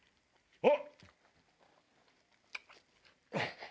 あっ！